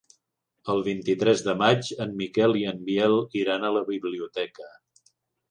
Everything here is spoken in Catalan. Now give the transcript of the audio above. El vint-i-tres de maig en Miquel i en Biel iran a la biblioteca.